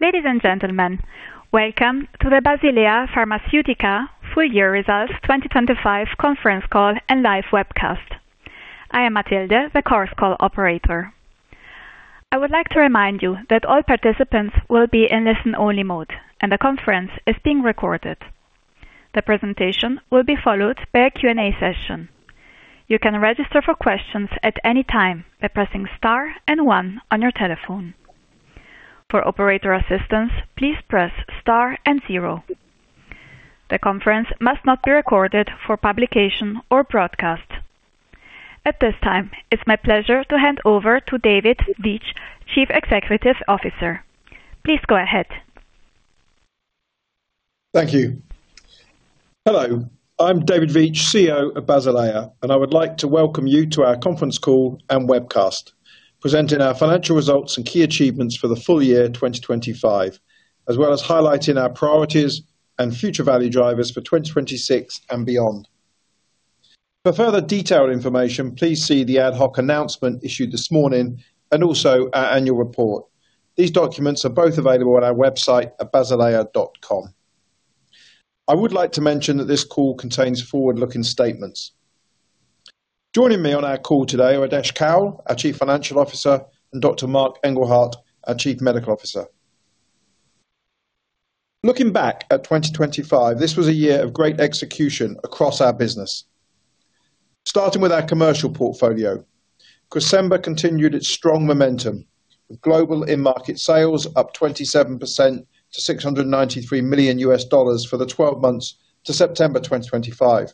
Ladies and gentlemen, welcome to The Basilea Pharmaceutica Full Year Results 2025 Conference Call and Live Webcast. I am Matilde, the conference call operator. I would like to remind you that all participants will be in listen-only mode, and the conference is being recorded. The presentation will be followed by a Q&A session. You can register for questions at any time by pressing Star and One on your telephone. For operator assistance, please press Star and Zero. The conference must not be recorded for publication or broadcast. At this time, it's my pleasure to hand over to David Veitch, Chief Executive Officer. Please go ahead. Thank you. Hello, I'm David Veitch, CEO of Basilea, and I would like to welcome you to our conference call and webcast, presenting our financial results and key achievements for the full year 2025, as well as highlighting our priorities and future value drivers for 2026 and beyond. For further detailed information, please see the ad hoc announcement issued this morning and also our annual report. These documents are both available on our website at basilea.com. I would like to mention that this call contains forward-looking statements. Joining me on our call today are Adesh Kaul, our Chief Financial Officer, and Dr. Marc Engelhardt, our Chief Medical Officer. Looking back at 2025, this was a year of great execution across our business. Starting with our commercial portfolio, Cresemba continued its strong momentum, with global in-market sales up 27% to $693 million for the twelve months to September 2025.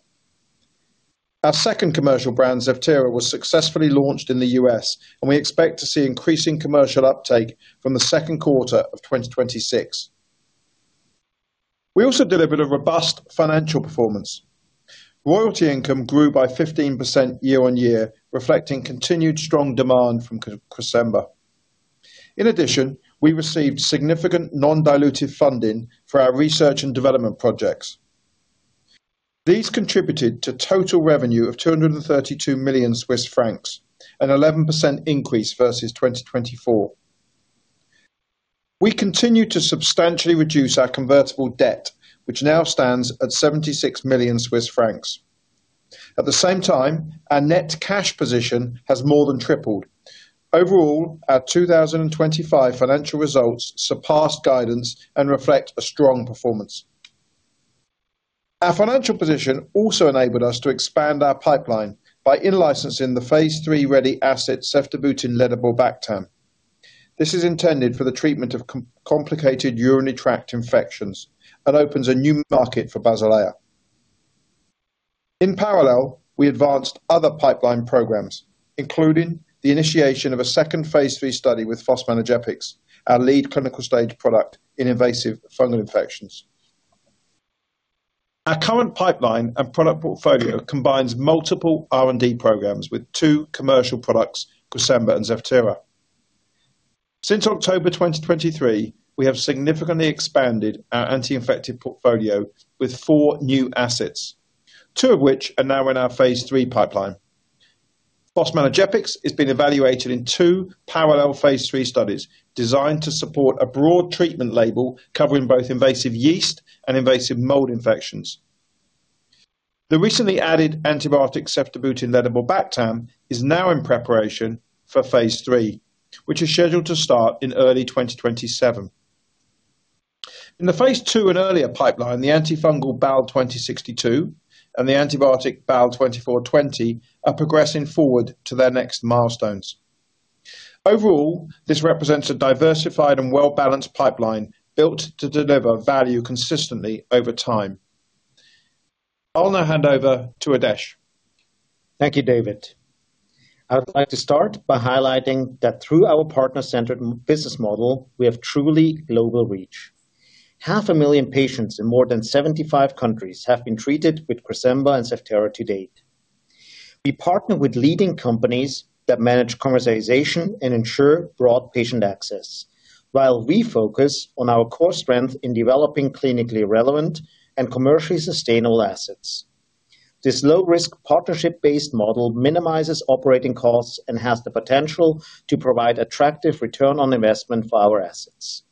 Our second commercial brand, Zevtera, was successfully launched in the U.S., and we expect to see increasing commercial uptake from the second quarter of 2026. We also delivered a robust financial performance. Royalty income grew by 15% year-on-year, reflecting continued strong demand from Cresemba. In addition, we received significant non-dilutive funding for our research and development projects. These contributed to total revenue of 232 million Swiss francs, an 11% increase versus 2024. We continue to substantially reduce our convertible debt, which now stands at 76 million Swiss francs. At the same time, our net cash position has more than tripled. Overall, our 2025 financial results surpassed guidance and reflect a strong performance. Our financial position also enabled us to expand our pipeline by in-licensing the phase 3-ready asset, ceftibuten-ledaborbactam. This is intended for the treatment of complicated urinary tract infections and opens a new market for Basilea. In parallel, we advanced other pipeline programs, including the initiation of a second phase 3 study with fosmanogepix, our lead clinical stage product in invasive fungal infections. Our current pipeline and product portfolio combines multiple R&D programs with two commercial products, Cresemba and Zevtera. Since October 2023, we have significantly expanded our anti-infective portfolio with four new assets, two of which are now in our phase 3 pipeline. Fosmanogepix is being evaluated in two parallel phase 3 studies, designed to support a broad treatment label covering both invasive yeast and invasive mold infections. The recently added antibiotic, ceftibuten-ledaborbactam, is now in preparation for phase 3, which is scheduled to start in early 2027. In the phase 2 and earlier pipeline, the antifungal BAL-2062 and the antibiotic BAL2420 are progressing forward to their next milestones. Overall, this represents a diversified and well-balanced pipeline, built to deliver value consistently over time. I'll now hand over to Adesh. Thank you, David. I would like to start by highlighting that through our partner-centered business model, we have truly global reach. 500,000 patients in more than 75 countries have been treated with Cresemba and Zevtera to date. We partner with leading companies that manage commercialization and ensure broad patient access, while we focus on our core strength in developing clinically relevant and commercially sustainable assets. This low-risk, partnership-based model minimizes operating costs and has the potential to provide attractive return on investment for our assets.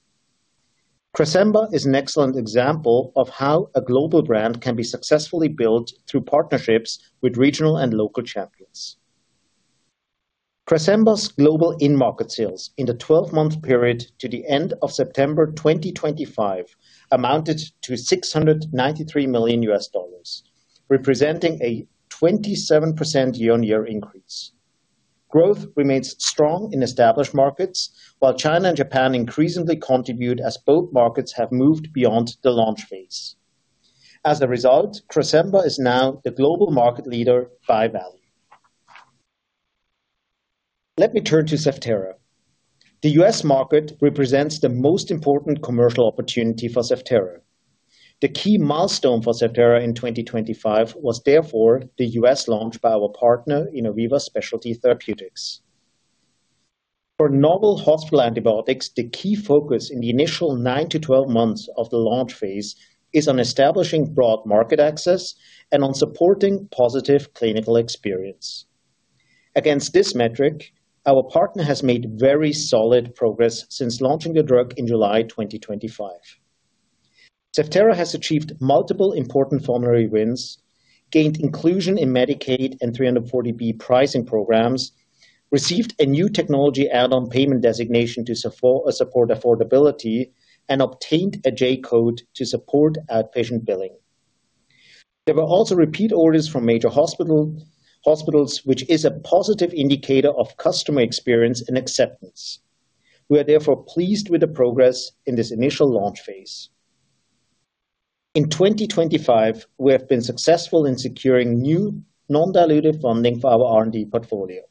Cresemba is an excellent example of how a global brand can be successfully built through partnerships with regional and local champions. Cresemba's global in-market sales in the 12-month period to the end of September 2025 amounted to $693 million, representing a 27% year-on-year increase. Growth remains strong in established markets, while China and Japan increasingly contribute as both markets have moved beyond the launch phase. As a result, Cresemba is now the global market leader by value. Let me turn to Zevtera. The U.S. market represents the most important commercial opportunity for Zevtera. The key milestone for Zevtera in 2025 was therefore the U.S. launch by our partner, Innoviva Specialty Therapeutics. For novel hospital antibiotics, the key focus in the initial nine months to 12 months of the launch phase is on establishing broad market access and on supporting positive clinical experience. Against this metric, our partner has made very solid progress since launching the drug in July 2025. Zevtera has achieved multiple important formulary wins, gained inclusion in Medicaid and 340B pricing programs, received a new technology add-on payment designation to support affordability, and obtained a J-Code to support outpatient billing. There were also repeat orders from major hospitals, which is a positive indicator of customer experience and acceptance. We are therefore pleased with the progress in this initial launch phase. In 2025, we have been successful in securing new non-dilutive funding for our R&D portfolio.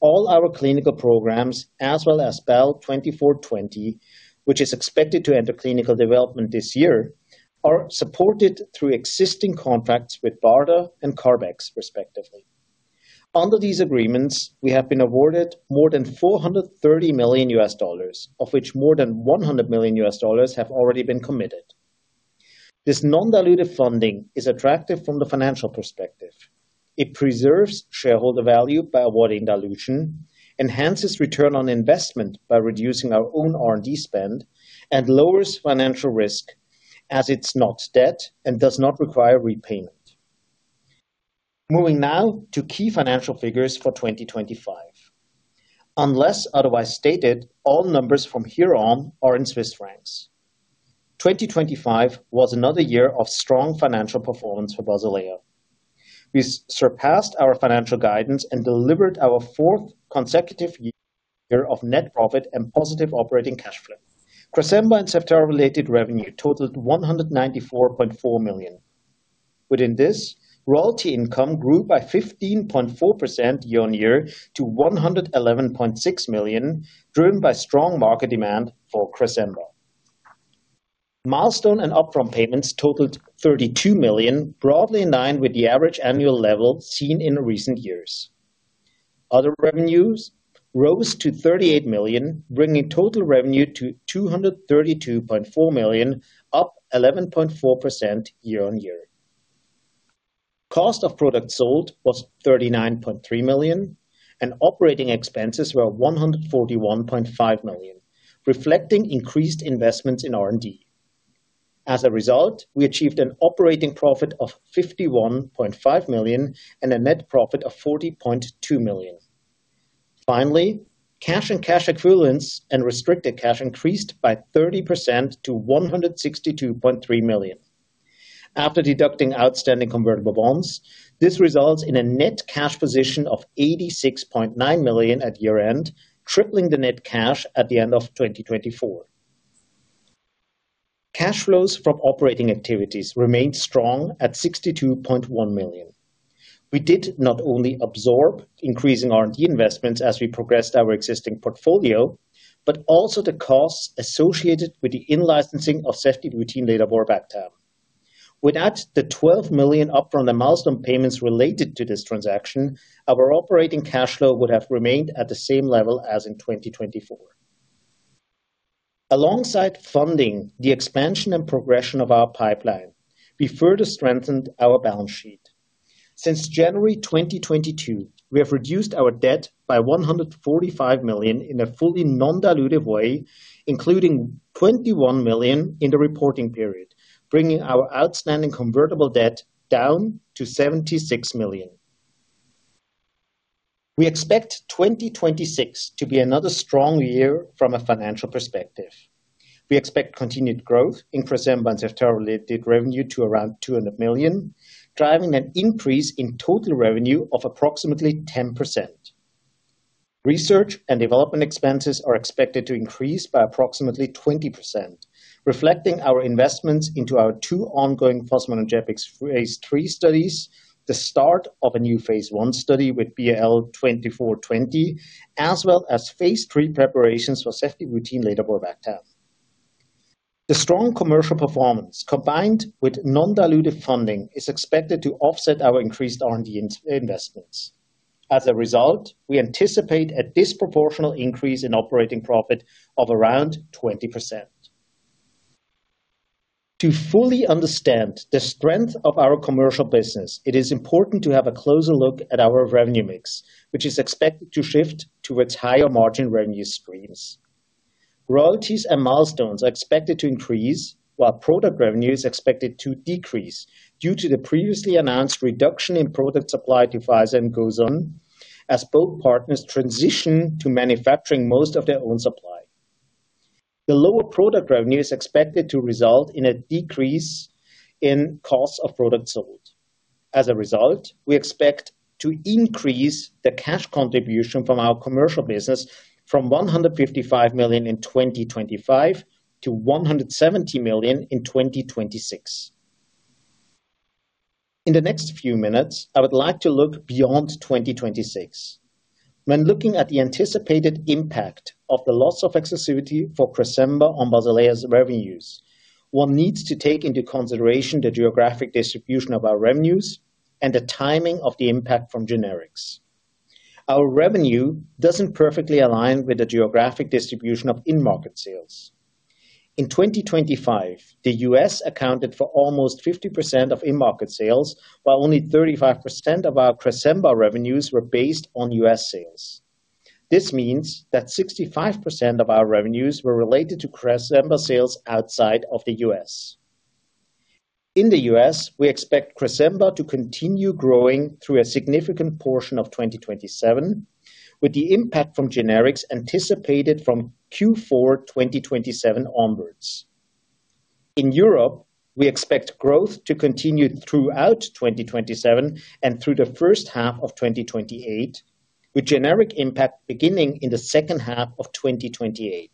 All our clinical programs, as well as BAL2420, which is expected to enter clinical development this year, are supported through existing contracts with BARDA and CARB-X, respectively. Under these agreements, we have been awarded more than $430 million, of which more than $100 million have already been committed. This non-dilutive funding is attractive from the financial perspective. It preserves shareholder value by avoiding dilution, enhances return on investment by reducing our own R&D spend, and lowers financial risk as it's not debt and does not require repayment. Moving now to key financial figures for 2025. Unless otherwise stated, all numbers from here on are in Swiss francs. 2025 was another year of strong financial performance for Basilea. We surpassed our financial guidance and delivered our fourth consecutive year of net profit and positive operating cash flow. Cresemba and Zevtera-related revenue totaled 194.4 million. Within this, royalty income grew by 15.4% year-on-year to 111.6 million, driven by strong market demand for Cresemba. Milestone and upfront payments totaled 32 million, broadly in line with the average annual level seen in recent years. Other revenues rose to 38 million, bringing total revenue to 232.4 million, up 11.4% year-over-year. Cost of products sold was 39.3 million, and operating expenses were 141.5 million, reflecting increased investments in R&D. As a result, we achieved an operating profit of 51.5 million and a net profit of 40.2 million. Finally, cash and cash equivalents and restricted cash increased by 30% to 162.3 million. After deducting outstanding convertible bonds, this results in a net cash position of 86.9 million at year-end, tripling the net cash at the end of 2024. Cash flows from operating activities remained strong at 62.1 million. We did not only absorb increasing R&D investments as we progressed our existing portfolio, but also the costs associated with the in-licensing of ceftibuten-ledaborbactam. Without the 12 million upfront and milestone payments related to this transaction, our operating cash flow would have remained at the same level as in 2024. Alongside funding the expansion and progression of our pipeline, we further strengthened our balance sheet. Since January 2022, we have reduced our debt by 145 million in a fully non-dilutive way, including 21 million in the reporting period, bringing our outstanding convertible debt down to 76 million. We expect 2026 to be another strong year from a financial perspective. We expect continued growth in Cresemba and Zevtera-related revenue to around 200 million, driving an increase in total revenue of approximately 10%. Research and development expenses are expected to increase by approximately 20%, reflecting our investments into our two ongoing fosmanogepix and Zevtera phase III studies, the start of a new phase I study with BAL2420, as well as phase III preparations for ceftibuten-ledaborbactam. The strong commercial performance, combined with non-dilutive funding, is expected to offset our increased R&D investments. As a result, we anticipate a disproportionate increase in operating profit of around 20%. To fully understand the strength of our commercial business, it is important to have a closer look at our revenue mix, which is expected to shift towards higher margin revenue streams. Royalties and milestones are expected to increase, while product revenue is expected to decrease due to the previously announced reduction in product supply to Pfizer and Gosun, as both partners transition to manufacturing most of their own supply. The lower product revenue is expected to result in a decrease in cost of products sold. As a result, we expect to increase the cash contribution from our commercial business from 155 million in 2025 to 170 million in 2026. In the next few minutes, I would like to look beyond 2026. When looking at the anticipated impact of the loss of exclusivity for Cresemba on Basilea's revenues, one needs to take into consideration the geographic distribution of our revenues and the timing of the impact from generics. Our revenue doesn't perfectly align with the geographic distribution of in-market sales. In 2025, the U.S. accounted for almost 50% of in-market sales, while only 35% of our Cresemba revenues were based on U.S. sales. This means that 65% of our revenues were related to Cresemba sales outside of the US. In the US, we expect Cresemba to continue growing through a significant portion of 2027, with the impact from generics anticipated from Q4 2027 onwards. In Europe, we expect growth to continue throughout 2027 and through the first half of 2028, with generic impact beginning in the second half of 2028.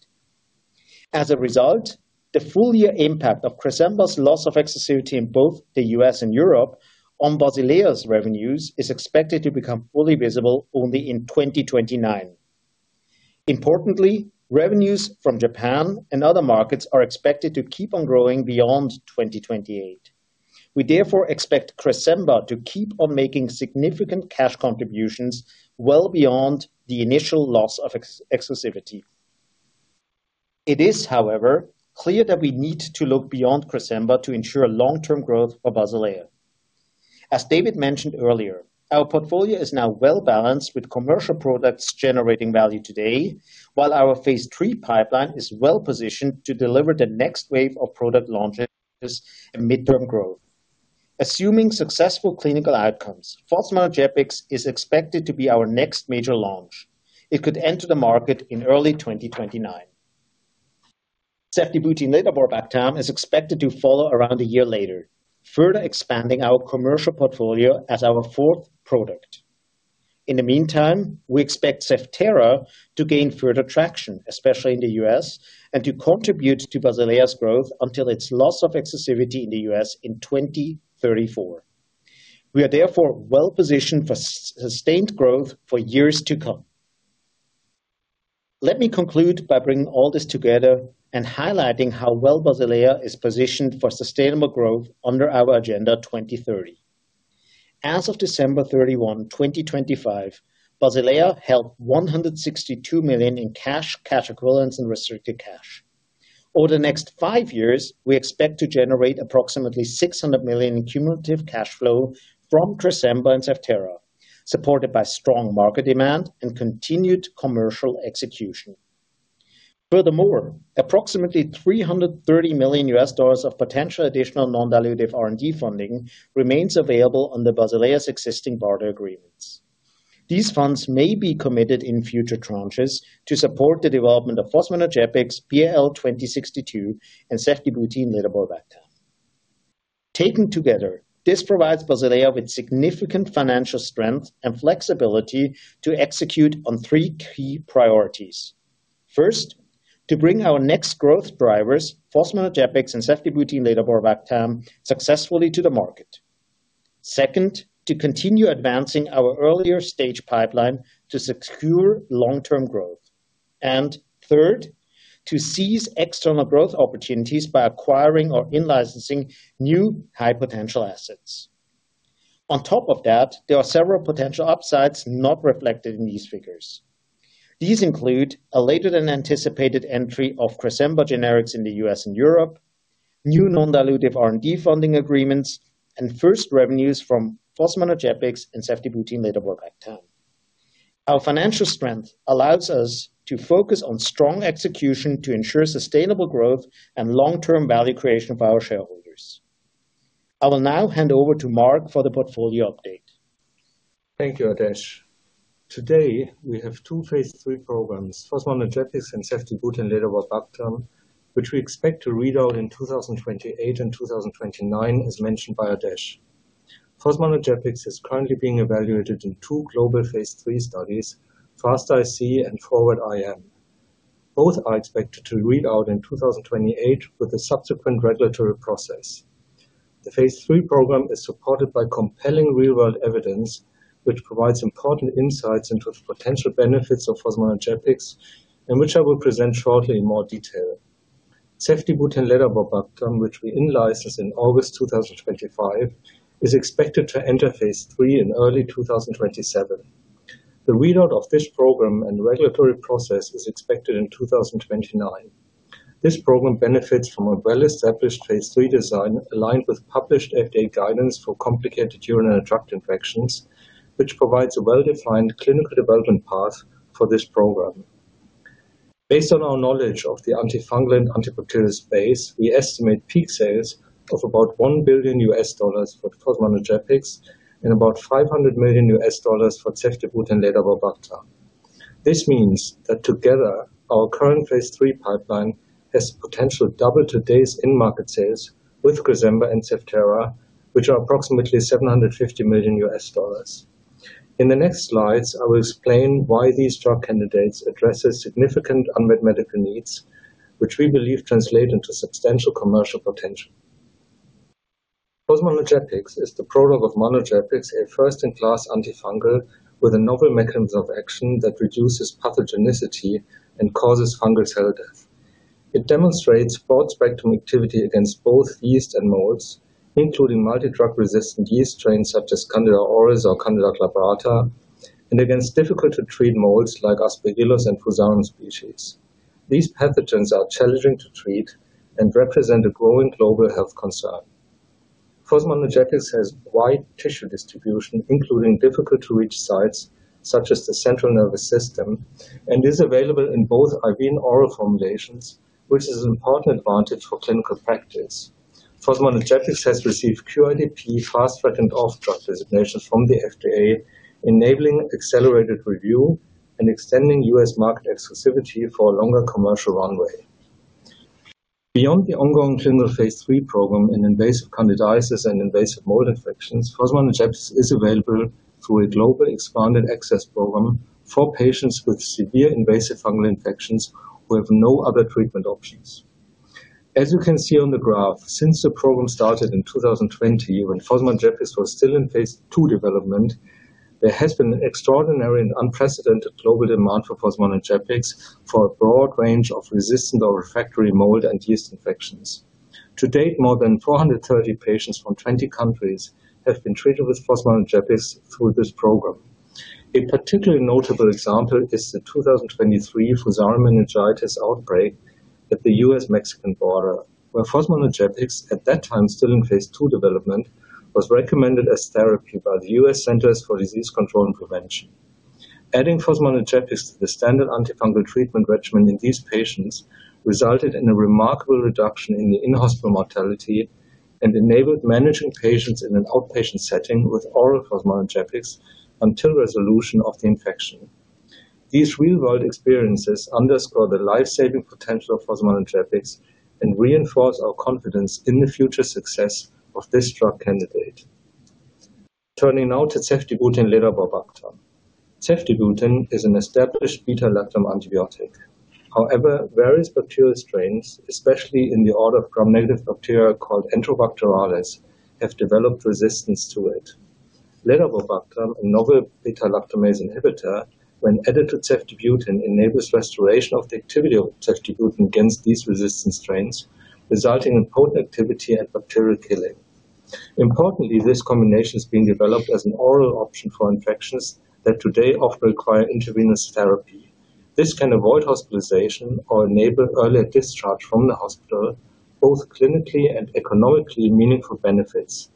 As a result, the full year impact of Cresemba's loss of exclusivity in both the US and Europe on Basilea's revenues is expected to become fully visible only in 2029. Importantly, revenues from Japan and other markets are expected to keep on growing beyond 2028. We therefore expect Cresemba to keep on making significant cash contributions well beyond the initial loss of exclusivity. It is, however, clear that we need to look beyond Cresemba to ensure long-term growth for Basilea. As David mentioned earlier, our portfolio is now well-balanced with commercial products generating value today, while our phase 3 pipeline is well-positioned to deliver the next wave of product launches and midterm growth. Assuming successful clinical outcomes, fosmanogepix is expected to be our next major launch. It could enter the market in early 2029. ceftibuten-ledaborbactam is expected to follow around a year later, further expanding our commercial portfolio as our fourth product. In the meantime, we expect Zevtera to gain further traction, especially in the US, and to contribute to Basilea's growth until its loss of exclusivity in the US in 2034. We are therefore well-positioned for sustained growth for years to come. Let me conclude by bringing all this together and highlighting how well Basilea is positioned for sustainable growth under our Agenda 2030. As of December 31, 2025, Basilea held 162 million in cash, cash equivalents, and restricted cash. Over the next five years, we expect to generate approximately 600 million in cumulative cash flow from Cresemba and Zevtera, supported by strong market demand and continued commercial execution. Furthermore, approximately $330 million of potential additional non-dilutive R&D funding remains available under Basilea's existing BARDA agreements. These funds may be committed in future tranches to support the development of fosmanogepix, BAL 2062, and ceftibuten-ledaborbactam. Taken together, this provides Basilea with significant financial strength and flexibility to execute on three key priorities. First, to bring our next growth drivers, fosmanogepix and ceftibuten-ledaborbactam, successfully to the market. Second, to continue advancing our earlier stage pipeline to secure long-term growth. And third, to seize external growth opportunities by acquiring or in-licensing new high-potential assets. On top of that, there are several potential upsides not reflected in these figures. These include a later than anticipated entry of Cresemba generics in the US and Europe, new non-dilutive R&D funding agreements, and first revenues from fosmanogepix and ceftibuten-ledaborbactam. Our financial strength allows us to focus on strong execution to ensure sustainable growth and long-term value creation of our shareholders. I will now hand over to Marc for the portfolio update. Thank you, Adesh. Today, we have two phase 3 programs, fosmanogepix and ceftibuten-ledaborbactam, which we expect to read out in 2028 and 2029, as mentioned by Adesh. fosmanogepix is currently being evaluated in two global phase 3 studies, FAST-IC and FORWARD-IM. Both are expected to read out in 2028 with a subsequent regulatory process. The phase 3 program is supported by compelling real-world evidence, which provides important insights into the potential benefits of fosmanogepix, and which I will present shortly in more detail. ceftibuten-ledaborbactam, which we in-licensed in August 2025, is expected to enter phase 3 in early 2027. The readout of this program and regulatory process is expected in 2029. This program benefits from a well-established phase 3 design, aligned with published FDA guidance for complicated urinary tract infections, which provides a well-defined clinical development path for this program. Based on our knowledge of the antifungal and antibacterial space, we estimate peak sales of about $1 billion for fosmanogepix, and about $500 million for ceftibuten-ledaborbactam. This means that together, our current phase 3 pipeline has potential double today's end market sales with Cresemba and Zevtera, which are approximately $750 million. In the next slides, I will explain why these drug candidates address significant unmet medical needs, which we believe translate into substantial commercial potential. fosmanogepix is the product of manogepix, a first-in-class antifungal, with a novel mechanism of action that reduces pathogenicity and causes fungal cell death. It demonstrates broad-spectrum activity against both yeast and molds, including multi-drug-resistant yeast strains such as Candida auris or Candida glabrata, and against difficult-to-treat molds like Aspergillus and Fusarium species. These pathogens are challenging to treat and represent a growing global health concern... Fosmanogepix has wide tissue distribution, including difficult-to-reach sites, such as the central nervous system, and is available in both IV and oral formulations, which is an important advantage for clinical practice. Fosmanogepix has received QIDP, Fast Track, and Orphan Drug designations from the FDA, enabling accelerated review and extending U.S. market exclusivity for a longer commercial runway. Beyond the ongoing clinical phase 3 program in invasive candidiasis and invasive mold infections, Fosmanogepix is available through a global expanded access program for patients with severe invasive fungal infections who have no other treatment options. As you can see on the graph, since the program started in 2020, when Fosmanogepix was still in phase 2 development, there has been an extraordinary and unprecedented global demand for Fosmanogepix for a broad range of resistant or refractory mold and yeast infections. To date, more than 430 patients from 20 countries have been treated with Fosmanogepix through this program. A particularly notable example is the 2023 Fusarium meningitis outbreak at the U.S.-Mexican border, where Fosmanogepix, at that time still in phase 2 development, was recommended as therapy by the U.S. Centers for Disease Control and Prevention. Adding Fosmanogepix to the standard antifungal treatment regimen in these patients, resulted in a remarkable reduction in the in-hospital mortality and enabled managing patients in an outpatient setting with oral Fosmanogepix until resolution of the infection. These real-world experiences underscore the life-saving potential of fosmanogepix, and reinforce our confidence in the future success of this drug candidate. Turning now to ceftibuten-ledaborbactam. Ceftibuten is an established beta-lactam antibiotic. However, various bacterial strains, especially in the order of gram-negative bacteria called Enterobacterales, have developed resistance to it. Ledaborbactam, a novel beta-lactamase inhibitor, when added to Ceftibuten, enables restoration of the activity of Ceftibuten against these resistant strains, resulting in potent activity and bacterial killing. Importantly, this combination is being developed as an oral option for infections that today often require intravenous therapy. This can avoid hospitalization or enable early discharge from the hospital, both clinically and economically meaningful benefits.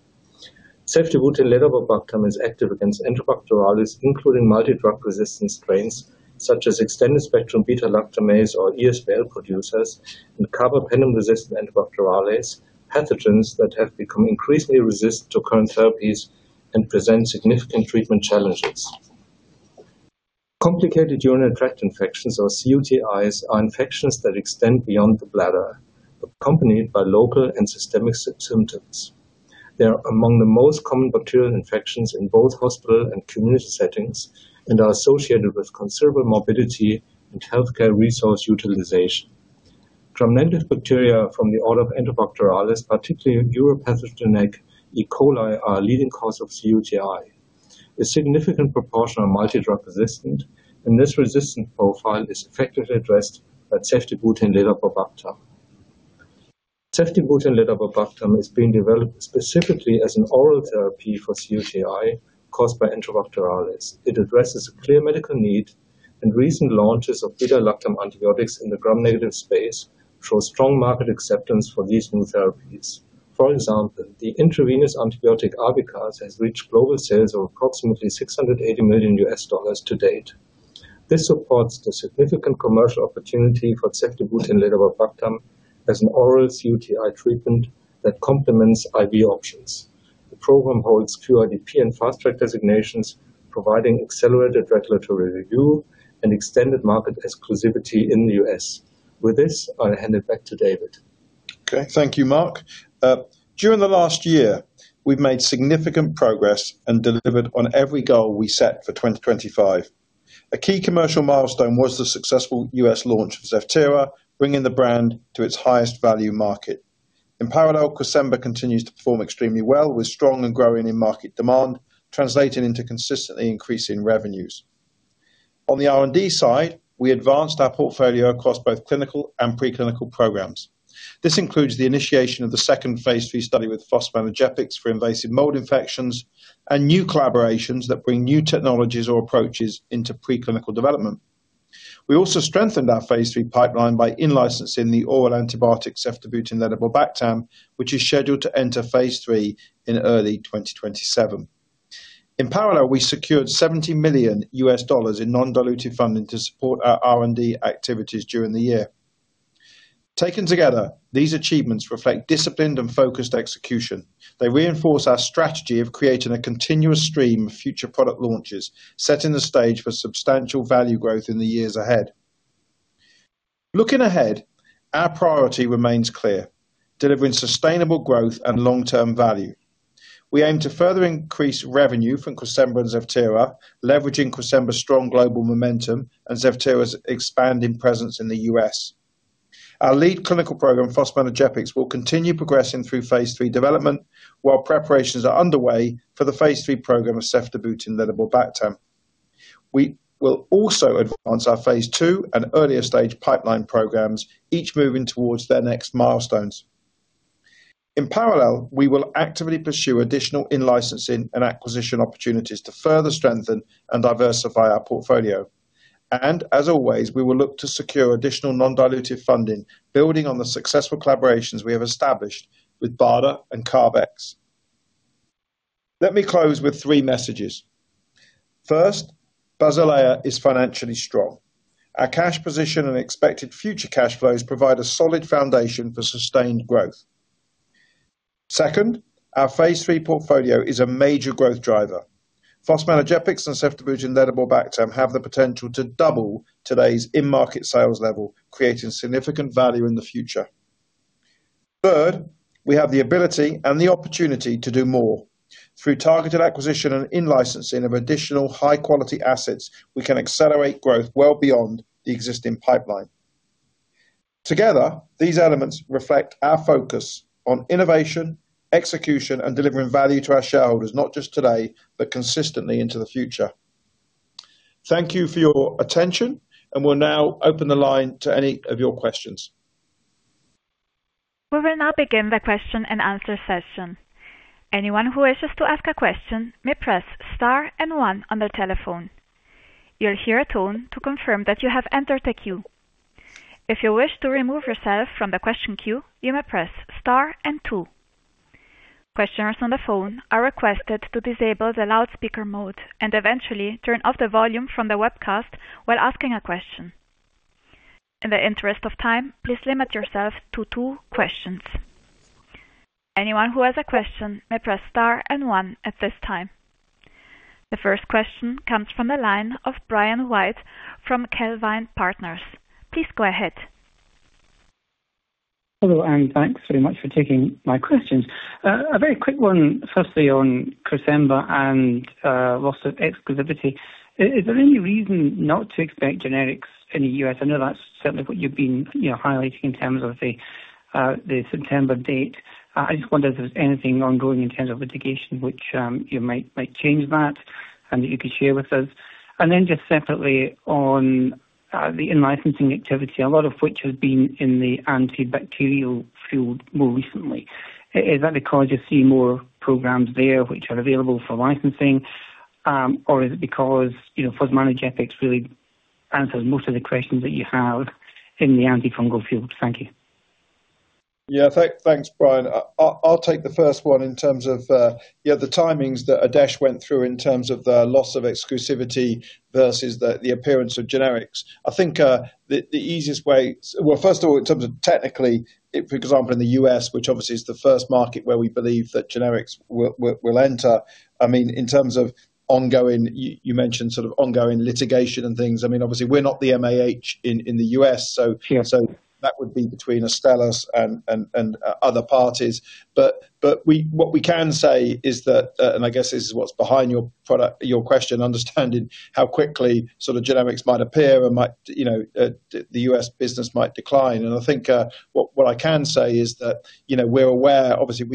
Ceftibuten-ledaborbactam is active against Enterobacterales, including multi-drug-resistant strains, such as extended-spectrum beta-lactamase or ESBL producers and carbapenem-resistant Enterobacterales, pathogens that have become increasingly resistant to current therapies and present significant treatment challenges. Complicated urinary tract infections, or cUTIs, are infections that extend beyond the bladder, accompanied by local and systemic symptoms. They are among the most common bacterial infections in both hospital and community settings, and are associated with considerable morbidity and healthcare resource utilization. Gram-negative bacteria from the order of Enterobacterales, particularly uropathogenic E. coli, are a leading cause of cUTI. A significant proportion are multi-drug resistant, and this resistant profile is effectively addressed by ceftibuten-ledaborbactam. Ceftibuten-ledaborbactam is being developed specifically as an oral therapy for cUTI caused by Enterobacterales. It addresses a clear medical need, and recent launches of beta-lactam antibiotics in the gram-negative space show strong market acceptance for these new therapies. For example, the intravenous antibiotic Avycaz has reached global sales of approximately $680 million to date. This supports the significant commercial opportunity for ceftibuten-ledaborbactam as an oral cUTI treatment that complements IV options. The program holds QIDP and Fast Track designations, providing accelerated regulatory review and extended market exclusivity in the U.S. With this, I'll hand it back to David. Okay, thank you, Marc. During the last year, we've made significant progress and delivered on every goal we set for 2025. A key commercial milestone was the successful U.S. launch of Zevtera, bringing the brand to its highest value market. In parallel, Cresemba continues to perform extremely well, with strong and growing in-market demand, translating into consistently increasing revenues. On the R&D side, we advanced our portfolio across both clinical and preclinical programs. This includes the initiation of the second phase 3 study with fosmanogepix for invasive mold infections, and new collaborations that bring new technologies or approaches into preclinical development. We also strengthened our phase 3 pipeline by in-licensing the oral antibiotic, ceftibuten-ledaborbactam, which is scheduled to enter phase 3 in early 2027. In parallel, we secured $70 million in non-dilutive funding to support our R&D activities during the year. Taken together, these achievements reflect disciplined and focused execution. They reinforce our strategy of creating a continuous stream of future product launches, setting the stage for substantial value growth in the years ahead. Looking ahead, our priority remains clear: delivering sustainable growth and long-term value. We aim to further increase revenue from Cresemba and Zevtera, leveraging Cresemba's strong global momentum and Zevtera's expanding presence in the US. Our lead clinical program, fosmanogepix, will continue progressing through phase 3 development, while preparations are underway for the phase 3 program of ceftibuten-ledaborbactam. We will also advance our phase 2 and earlier stage pipeline programs, each moving towards their next milestones. In parallel, we will actively pursue additional in-licensing and acquisition opportunities to further strengthen and diversify our portfolio. And as always, we will look to secure additional non-dilutive funding, building on the successful collaborations we have established with BARDA and CARB-X. Let me close with three messages. First, Basilea is financially strong. Our cash position and expected future cash flows provide a solid foundation for sustained growth. Second, our phase three portfolio is a major growth driver. Fosmanogepix and ceftibuten-ledaborbactam have the potential to double today's in-market sales level, creating significant value in the future. Third, we have the ability and the opportunity to do more. Through targeted acquisition and in-licensing of additional high-quality assets, we can accelerate growth well beyond the existing pipeline. Together, these elements reflect our focus on innovation, execution, and delivering value to our shareholders, not just today, but consistently into the future. Thank you for your attention, and we'll now open the line to any of your questions. We will now begin the question and answer session. Anyone who wishes to ask a question may press star and one on their telephone. You'll hear a tone to confirm that you have entered the queue. If you wish to remove yourself from the question queue, you may press star and two. Questioners on the phone are requested to disable the loudspeaker mode and eventually turn off the volume from the webcast while asking a question. In the interest of time, please limit yourself to two questions. Anyone who has a question may press star and one at this time. The first question comes from the line of Brian White from Calvine Partners. Please go ahead. Hello, and thanks very much for taking my questions. A very quick one, firstly, on Cresemba and loss of exclusivity. Is there any reason not to expect generics in the U.S.? I know that's certainly what you've been, you know, highlighting in terms of the September date. I just wondered if there was anything ongoing in terms of litigation, which you might change that and that you could share with us. And then just separately on the in-licensing activity, a lot of which has been in the antibacterial field more recently. Is that because you see more programs there which are available for licensing, or is it because, you know, fosmanogepix really answers most of the questions that you have in the antifungal field? Thank you. Yeah, thanks, Brian. I'll take the first one in terms of, yeah, the timings that Adesh went through in terms of the loss of exclusivity versus the appearance of generics. I think, the easiest way. Well, first of all, in terms of technically, if, for example, in the U.S., which obviously is the first market where we believe that generics will enter, I mean, in terms of ongoing, you mentioned sort of ongoing litigation and things. I mean, obviously, we're not the MAH in the U.S., so- Yeah. So that would be between Astellas and other parties. But what we can say is that, and I guess this is what's behind your product - your question, understanding how quickly sort of generics might appear and might, you know, the US business might decline. And I think, what I can say is that, you know, we're aware, obviously,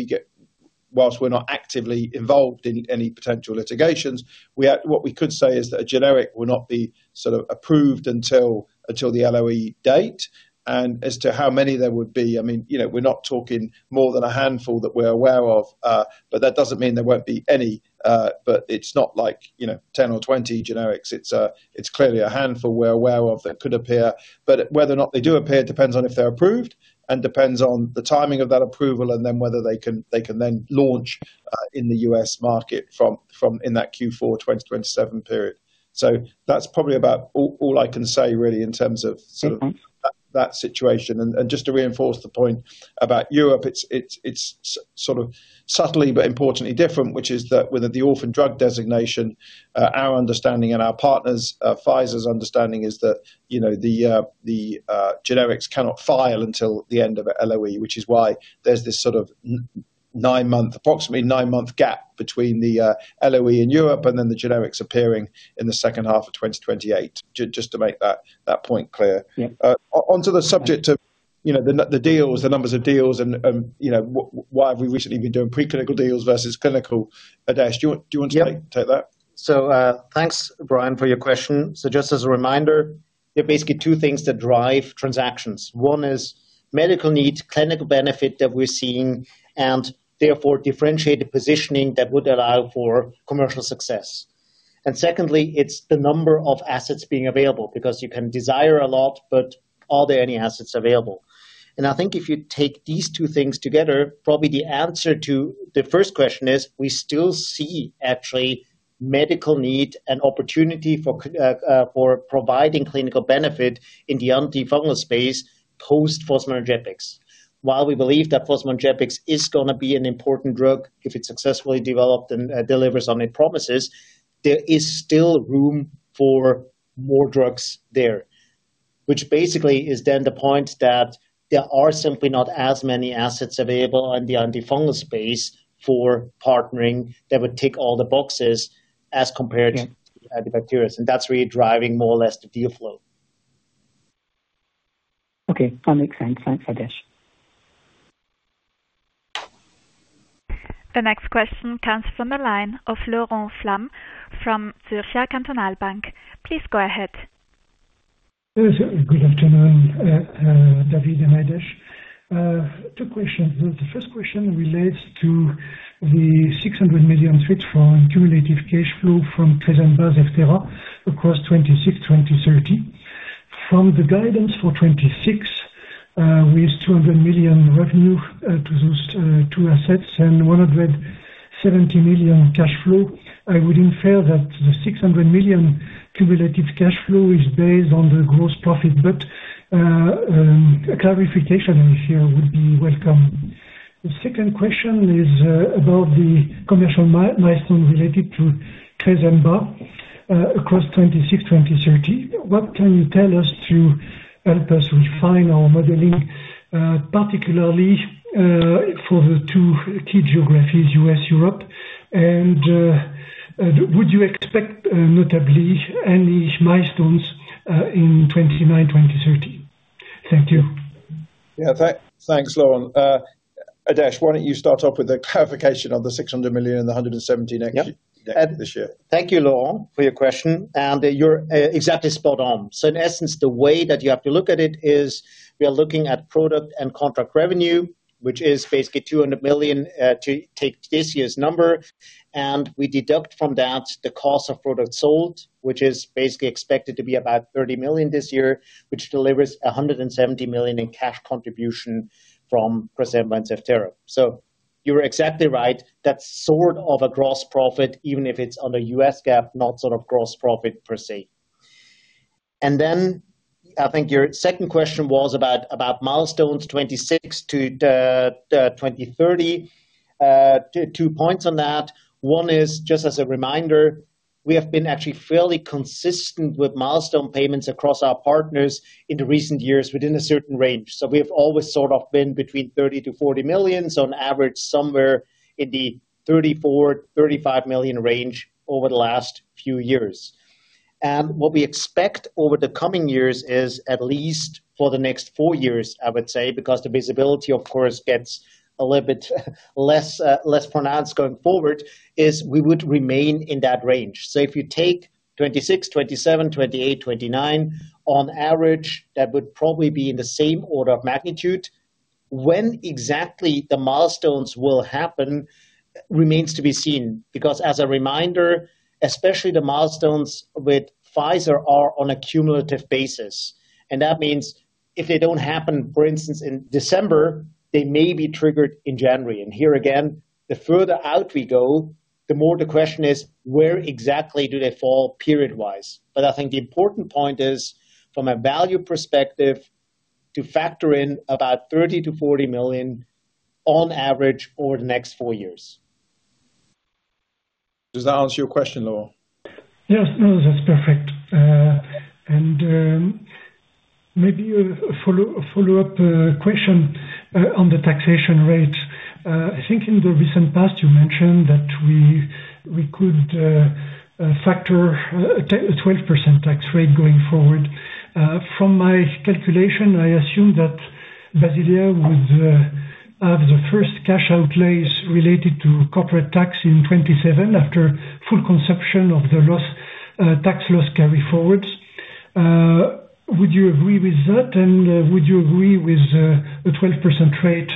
whilst we're not actively involved in any potential litigations, what we could say is that a generic will not be sort of approved until the LOE date. And as to how many there would be, I mean, you know, we're not talking more than a handful that we're aware of, but that doesn't mean there won't be any. But it's not like, you know, 10 or 20 generics. It's, it's clearly a handful we're aware of that could appear. But whether or not they do appear depends on if they're approved, and depends on the timing of that approval, and then whether they can then launch in the US market from in that Q4 2027 period. So that's probably about all I can say, really, in terms of sort of- Mm-hmm that situation. And just to reinforce the point about Europe, it's sort of subtly but importantly different, which is that with the orphan drug designation, our understanding and our partners, Pfizer's understanding is that, you know, the generics cannot file until the end of LOE. Which is why there's this sort of nine-month, approximately nine-month gap between the LOE in Europe and then the generics appearing in the second half of 2028. Just to make that point clear. Yeah. Onto the subject of, you know, the deals, the numbers of deals and, you know, why have we recently been doing preclinical deals versus clinical. Adesh, do you want to- Yeah. -take that? So, thanks, Brian, for your question. Just as a reminder, there are basically two things that drive transactions. One is medical needs, clinical benefit that we're seeing, and therefore differentiated positioning that would allow for commercial success. And secondly, it's the number of assets being available, because you can desire a lot, but are there any assets available? And I think if you take these two things together, probably the answer to the first question is: we still see actually medical need and opportunity for providing clinical benefit in the antifungal space post fosmanogepix. While we believe that fosmanogepix is gonna be an important drug if it's successfully developed and delivers on its promises, there is still room for more drugs there. Which basically is then the point that there are simply not as many assets available on the antifungal space for partnering that would tick all the boxes as compared- Yeah. to the antibacterial. That's really driving more or less the deal flow. Okay, that makes sense. Thanks, Adesh. The next question comes from the line of Laurent Flamme, from Zürcher Kantonalbank. Please go ahead. Good afternoon, David and Adesh. Two questions. The first question relates to the 600 million cumulative cash flow from Cresemba, etc., across 2026-2030. From the guidance for 2026 with 200 million revenue to those two assets and 170 million cash flow. I would infer that the 600 million cumulative cash flow is based on the gross profit, but a clarification here would be welcome. The second question is about the commercial milestone related to Cresemba across 2026-2030. What can you tell us to help us refine our modeling, particularly for the two key geographies, U.S., Europe? And would you expect notably any milestones in 2029-2030? Thank you. Yeah, thanks, Laurent. Adesh, why don't you start off with a clarification on the 600 million and the 117 actually- Yep. This year. Thank you, Laurent, for your question, and you're exactly spot on. So in essence, the way that you have to look at it is, we are looking at product and contract revenue, which is basically 200 million to take this year's number, and we deduct from that the cost of products sold, which is basically expected to be about 30 million this year. Which delivers 170 million in cash contribution from Zevtera. So you're exactly right. That's sort of a gross profit, even if it's on a US GAAP, not sort of gross profit per se. And then, I think your second question was about milestones 2026 to 2030. Two points on that. One is just as a reminder, we have been actually fairly consistent with milestone payments across our partners in the recent years, within a certain range. So we have always sort of been between 30-40 million, so on average, somewhere in the 34-35 million range over the last few years. And what we expect over the coming years is, at least for the next four years, I would say, because the visibility of course gets a little bit less, less pronounced going forward, is we would remain in that range. So if you take 2026, 2027, 2028, 2029, on average, that would probably be in the same order of magnitude. When exactly the milestones will happen remains to be seen. Because as a reminder, especially the milestones with Pfizer, are on a cumulative basis. That means if they don't happen, for instance, in December, they may be triggered in January. Here again, the further out we go, the more the question is, where exactly do they fall period-wise? But I think the important point is, from a value perspective, to factor in about 30 million-40 million on average over the next four years. Does that answer your question, Laurent? Yes. No, that's perfect. And maybe a follow-up question on the taxation rate. I think in the recent past, you mentioned that we could factor a 12% tax rate going forward. From my calculation, I assume that Basilea would have the first cash outlays related to corporate tax in 2027, after full consumption of the tax loss carryforwards. Would you agree with that? And would you agree with the 12% rate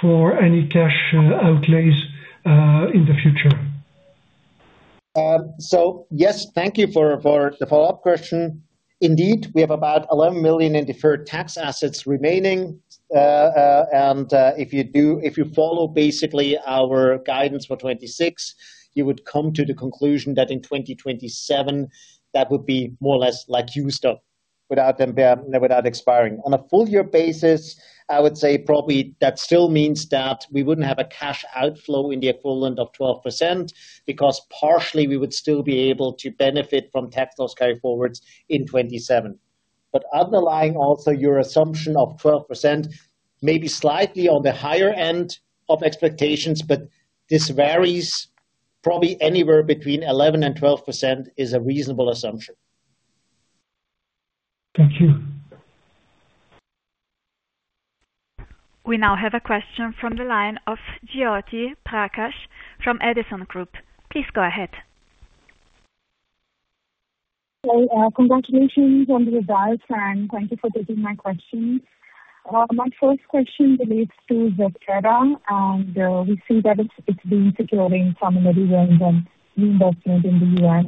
for any cash outlays in the future? So yes, thank you for the follow-up question. Indeed, we have about 11 million in deferred tax assets remaining. And if you do, if you follow basically our guidance for 2026, you would come to the conclusion that in 2027, that would be more or less like you said, without them without expiring. On a full year basis, I would say probably that still means that we wouldn't have a cash outflow in the equivalent of 12%, because partially we would still be able to benefit from tax loss carry forwards in 2027. But underlying also your assumption of 12%, maybe slightly on the higher end of expectations, but this varies probably anywhere between 11%-12% is a reasonable assumption. Thank you. We now have a question from the line of Jyoti Prakash from Edison Group. Please go ahead. So, congratulations on the results, and thank you for taking my questions. My first question relates to Zevtera, and we see that it's been securing some early wins and new investment in the US.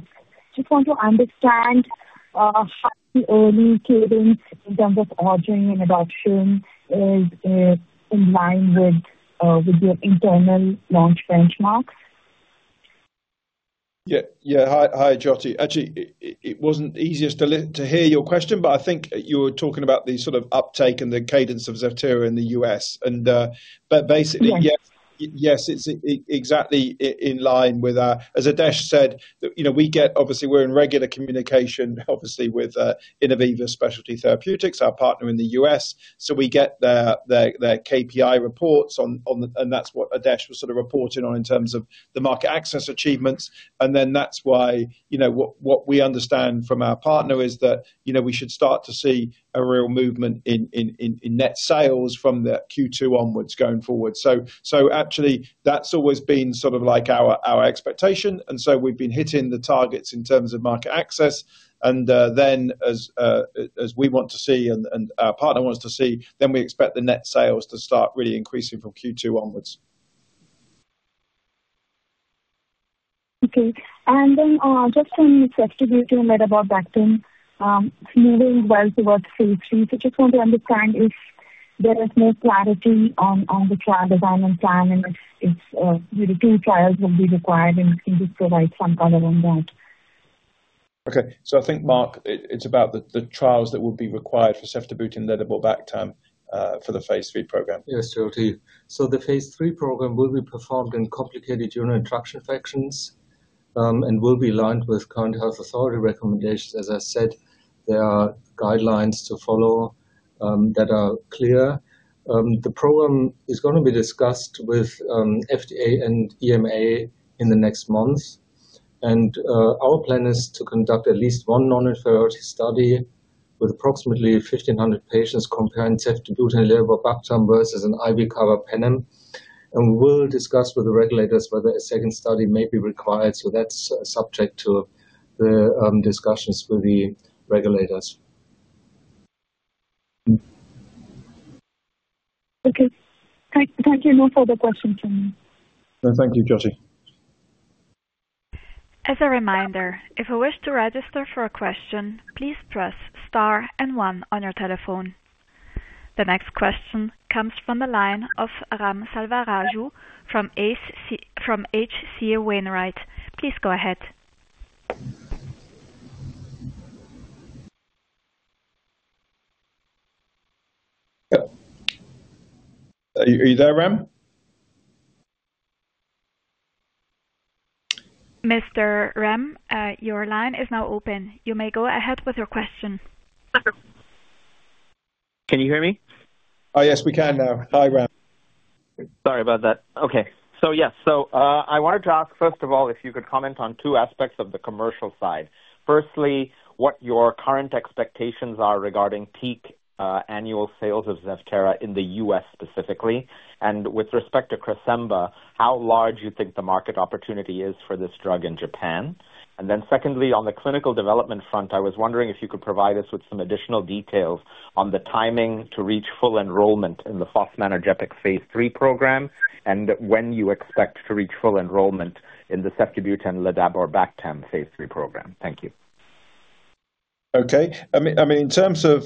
Just want to understand how the early cadence in terms of ordering and adoption is in line with your internal launch benchmarks? Yeah, yeah. Hi, Jyoti. Actually, it wasn't easiest to hear your question, but I think you were talking about the sort of uptake and the cadence of Zevtera in the US. And, but basically- Yeah. Yes, it's exactly in line with our. As Adesh said, that, you know, we get obviously we're in regular communication, obviously, with Innoviva Specialty Therapeutics, our partner in the US. So we get their KPI reports on the, and that's what Adesh was sort of reporting on in terms of the market access achievements. And then that's why, you know, what we understand from our partner is that, you know, we should start to see a real movement in net sales from the Q2 onwards going forward. So actually, that's always been sort of like our expectation, and so we've been hitting the targets in terms of market access. Then, as we want to see and our partner wants to see, then we expect the net sales to start really increasing from Q2 onwards. Okay, and then, just on ceftibuten and ledaborbactam, moving well towards phase 3. So just want to understand if there is more clarity on the trial design and plan, and if the two trials will be required, and could you provide some color on that? Okay. So I think, Marc, it's about the trials that will be required for ceftibuten-ledaborbactam for the phase three program. Yes, absolutely. So the phase 3 program will be performed in complicated urinary tract infections, and will be aligned with current health authority recommendations. As I said, there are guidelines to follow, that are clear. The program is gonna be discussed with, FDA and EMA in the next months. And, our plan is to conduct at least one non-inferiority study with approximately 1,500 patients comparing ceftibuten-ledaborbactam versus an IV carbapenem. And we'll discuss with the regulators whether a second study may be required, so that's subject to the, discussions with the regulators. Okay. Thank you. No further questions. Well, thank you, Jyoti. As a reminder, if you wish to register for a question, please press Star and One on your telephone. The next question comes from the line of Ram Selvaraju from H.C. Wainwright. Please go ahead. Are you there, Ram? Mr. Ram, your line is now open. You may go ahead with your question. Can you hear me? Oh, yes, we can now. Hi, Ram. Sorry about that. Okay. So, yes. So, I wanted to ask, first of all, if you could comment on two aspects of the commercial side. Firstly, what your current expectations are regarding peak annual sales of Zevtera in the US specifically, and with respect to Cresemba, how large you think the market opportunity is for this drug in Japan? And then secondly, on the clinical development front, I was wondering if you could provide us with some additional details on the timing to reach full enrollment in the fosmanogepix phase 3 program, and when you expect to reach full enrollment in the ceftibuten-ledaborbactam phase 3 program. Thank you. Okay. I mean, in terms of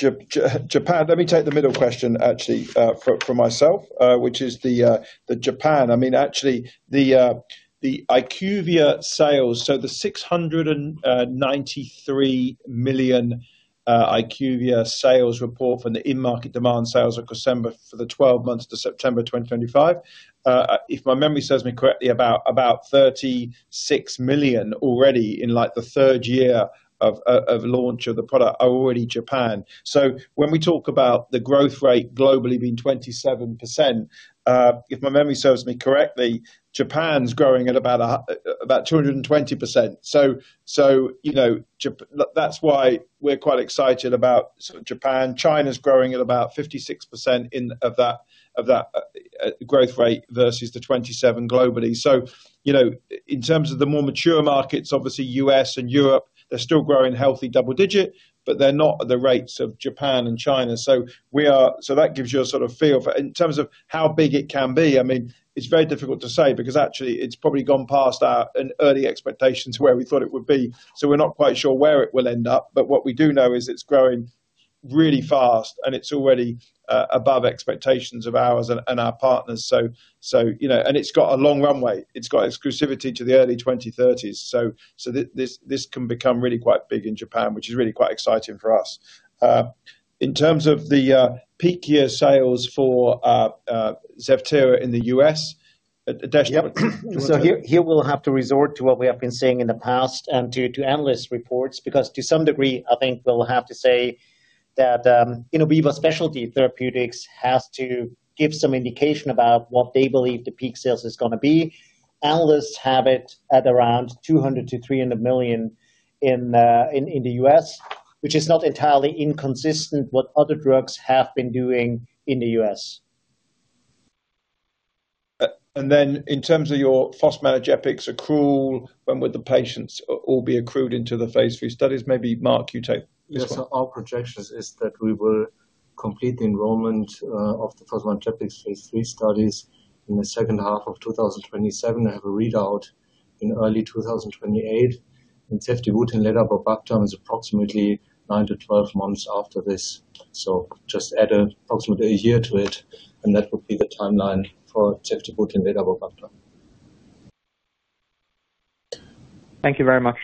Japan, let me take the middle question, actually, for myself, which is the Japan. I mean, actually, the IQVIA sales, so the $693 million IQVIA sales report from the in-market demand sales of Cresemba for the 12 months to September 2025. If my memory serves me correctly, about $36 million already in Japan, like, the third year of launch of the product. So when we talk about the growth rate globally being 27%, if my memory serves me correctly, Japan's growing at about 220%. So, you know, that's why we're quite excited about Japan. China's growing at about 56% in of that growth rate versus the 27 globally. So, you know, in terms of the more mature markets, obviously, US and Europe, they're still growing healthy, double digit, but they're not at the rates of Japan and China. So we are. So that gives you a sort of feel for it. In terms of how big it can be, I mean, it's very difficult to say, because actually it's probably gone past our, an early expectations where we thought it would be. So we're not quite sure where it will end up, but what we do know is it's growing really fast, and it's already above expectations of ours and our partners. So, so, you know. And it's got a long runway. It's got exclusivity to the early 2030s. So, this can become really quite big in Japan, which is really quite exciting for us. In terms of the peak year sales for Zevtera in the US, Adesh, do you want to- Yep. So here we'll have to resort to what we have been saying in the past and to analyst reports, because to some degree, I think we'll have to say that Innoviva Specialty Therapeutics has to give some indication about what they believe the peak sales is gonna be. Analysts have it at around $200 million-$300 million in the US, which is not entirely inconsistent what other drugs have been doing in the US. Then in terms of your fosmanogepix accrual, when will the patients all be accrued into the phase 3 studies? Maybe, Marc, you take this one. Yes. So our projections is that we will complete the enrollment of the fosmanogepix phase 3 studies in the second half of 2027, and have a readout in early 2028. And ceftibuten-ledaborbactam is approximately 9-12 months after this. So just add approximately a year to it, and that would be the timeline for ceftibuten-ledaborbactam. Thank you very much.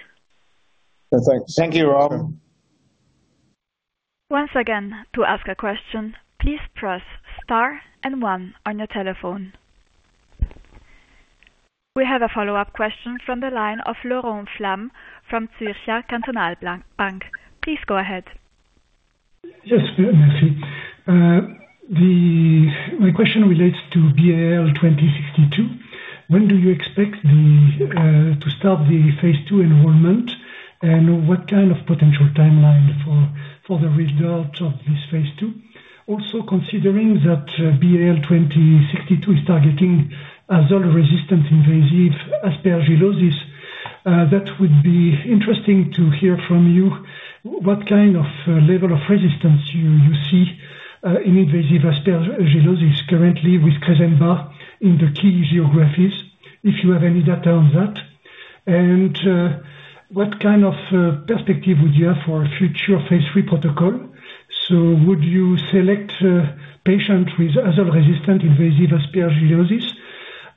Yeah, thanks. Thank you, Ram. Once again, to ask a question, please press Star and One on your telephone. We have a follow-up question from the line of Laurent Flamme from Zürcher Kantonalbank. Please go ahead. Yes. Merci. My question relates to BAL2062. When do you expect to start the phase 2 enrollment? And what kind of potential timeline for the results of this phase 2? Also, considering that BAL2062 is targeting azole-resistant invasive aspergillosis, that would be interesting to hear from you, what kind of level of resistance you see in invasive aspergillosis currently with Cresemba in the key geographies, if you have any data on that? And what kind of perspective would you have for future phase 3 protocol? So would you select patient with azole-resistant invasive aspergillosis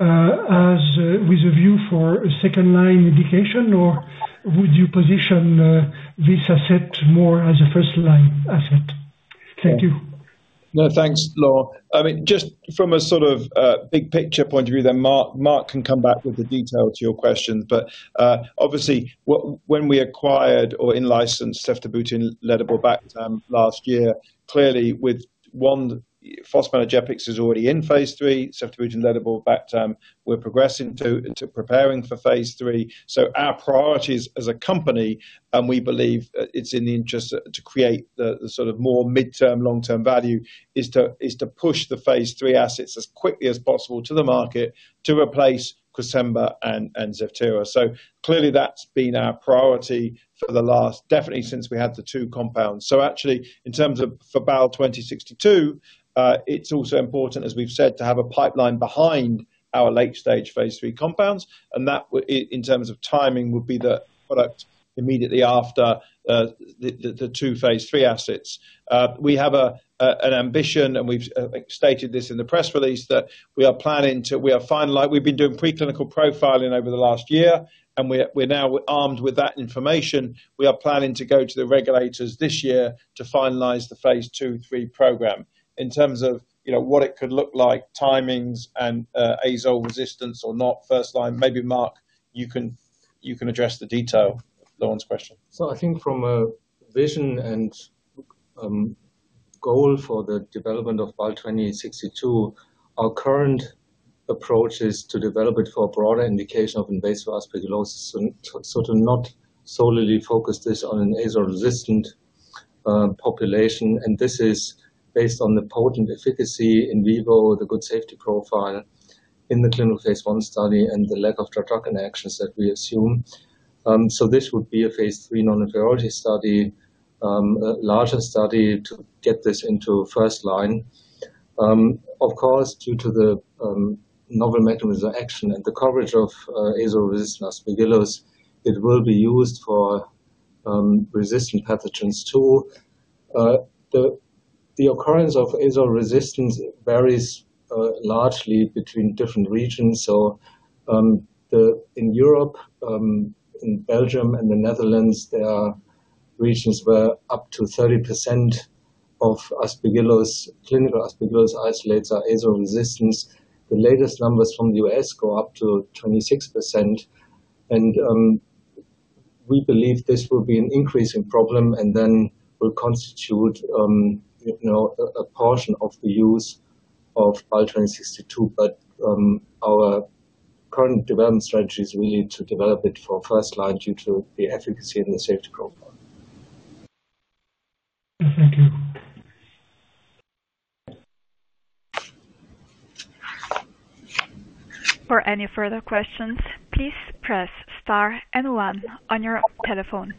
as with a view for second-line indication? Or would you position this asset more as a first-line asset? Thank you. No, thanks, Laurent. I mean, just from a sort of big picture point of view, then Marc can come back with the detail to your question. But obviously, when we acquired or in-licensed ceftibuten-ledaborbactam last year, clearly with one, fosmanogepix is already in phase 3, ceftibuten-ledaborbactam we're progressing into preparing for phase 3. So our priorities as a company, and we believe that it's in the interest to create the sort of more midterm, long-term value, is to push the phase 3 assets as quickly as possible to the market to replace Cresemba and Zevtera. So clearly, that's been our priority for the last, definitely since we had the two compounds. So actually, in terms of for BAL2062, it's also important, as we've said, to have a pipeline behind our late-stage phase 3 compounds, and that in terms of timing, would be the product immediately after, the 2 phase 3 assets. We have an ambition, and we've stated this in the press release, that we are planning to... We've been doing preclinical profiling over the last year, and we are, we're now armed with that information. We are planning to go to the regulators this year to finalize the phase 2 and 3 program. In terms of, you know, what it could look like, timings and, azole resistance or not first line, maybe, Marc, you can, you can address the detail of Laurent's question. So I think from a vision and, goal for the development of BAL-2062, our current approach is to develop it for a broader indication of invasive aspergillosis, and so to not solely focus this on an azole-resistant, population. And this is based on the potent efficacy in vivo, the good safety profile in the clinical phase 1 study, and the lack of drug interactions that we assume. So this would be a phase 3 non-inferiority study, a larger study to get this into first line. Of course, due to the, novel mechanism of action and the coverage of, azole-resistant aspergillosis, it will be used for, resistant pathogens, too. The occurrence of azole resistance varies, largely between different regions. So, in Europe, in Belgium and the Netherlands, there are regions where up to 30% of aspergillosis, clinical aspergillosis isolates are azole-resistant. The latest numbers from the U.S. go up to 26%, and we believe this will be an increasing problem and then will constitute, you know, a portion of the use of BAL2062. But, our current development strategy is really to develop it for first-line due to the efficacy and the safety profile. Thank you. For any further questions, please press star and one on your telephone.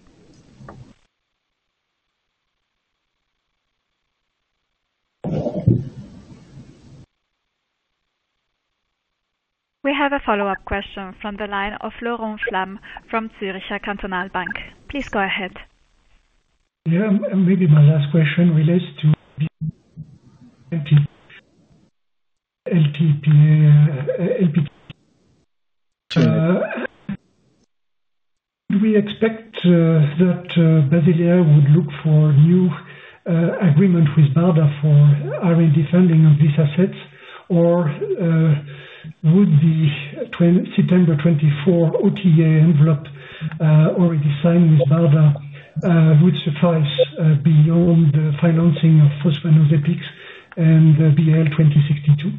We have a follow-up question from the line of Laurent Flamme from Zürcher Kantonalbank. Please go ahead. Yeah, and maybe my last question relates to the LptA. Sorry. Do we expect that Basilea would look for new agreement with BARDA for our funding of these assets? Or, would the September 2024 OTA envelope already signed with BARDA would suffice beyond the financing of fosmanogepix and the BAL2062?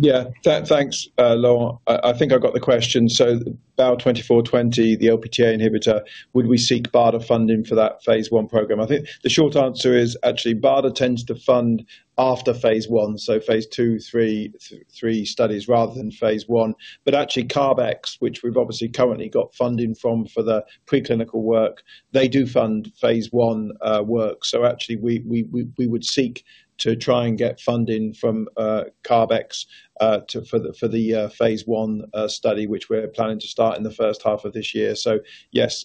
Yeah. Thanks, Laurent. I think I've got the question. So BAL-2420, the LptA inhibitor, would we seek BARDA funding for that phase one program? I think the short answer is actually, BARDA tends to fund after phase one, so phase two, three studies rather than phase one. But actually, CARB-X, which we've obviously currently got funding from for the preclinical work, they do fund phase one work. So actually, we would seek to try and get funding from CARB-X to for the phase one study, which we're planning to start in the first half of this year. So yes,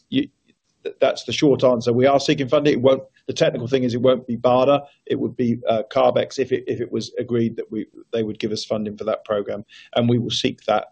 that's the short answer. We are seeking funding. Well, the technical thing is it won't be BARDA, it would be, CARB-X, if it was agreed that we-- they would give us funding for that program, and we will seek that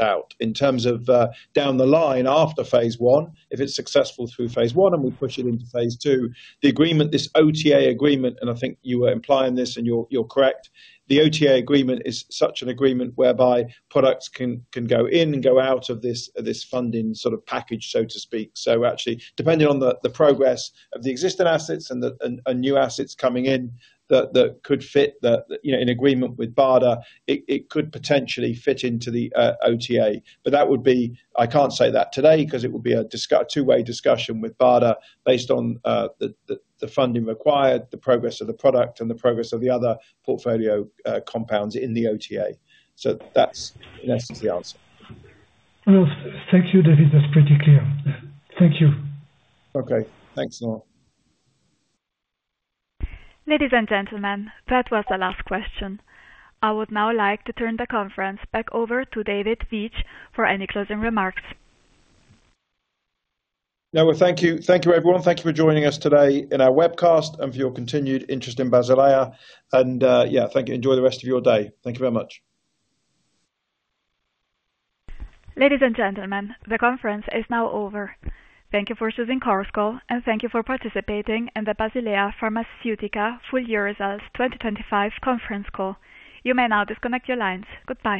out. In terms of, down the line after phase one, if it's successful through phase one and we push it into phase two, the agreement, this OTA agreement, and I think you were implying this, and you're correct. The OTA agreement is such an agreement whereby products can go in and go out of this funding sort of package, so to speak. So actually, depending on the progress of the existing assets and the new assets coming in, that could fit the, you know, in agreement with BARDA, it could potentially fit into the OTA. But that would be... I can't say that today, 'cause it would be a two-way discussion with BARDA based on the funding required, the progress of the product, and the progress of the other portfolio compounds in the OTA. So that's the answer. Well, thank you, David. That's pretty clear. Thank you. Okay, thanks, Laurent. Ladies and gentlemen, that was the last question. I would now like to turn the conference back over to David Veitch for any closing remarks. Yeah. Well, thank you. Thank you, everyone. Thank you for joining us today in our webcast and for your continued interest in Basilea. Yeah, thank you. Enjoy the rest of your day. Thank you very much. Ladies and gentlemen, the conference is now over. Thank you for choosing Chorus Call, and thank you for participating in the Basilea Pharmaceutica full year results 2025 conference call. You may now disconnect your lines. Goodbye.